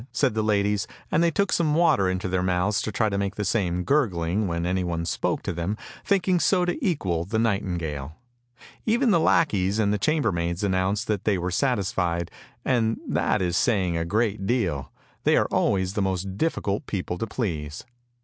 " said the ladies, and they took some water into their mouths to try and make the same gurgling, when anyone spoke to them, thinking so to equal the nightingale. Even the lackeys and the chambermaids announced that they were satisfied, and that is saying a great deal, they are always the most difficult people to please.